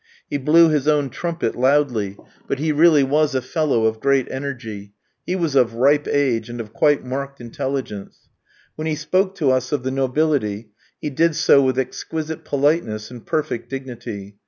He blew his own trumpet loudly, but he really was a fellow of great energy; he was of ripe age, and of quite marked intelligence. When he spoke to us of the nobility, he did so with exquisite politeness and perfect dignity.